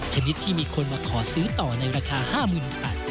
ชนิดที่มีคนมาขอซื้อต่อในราคา๕๐๐๐บาท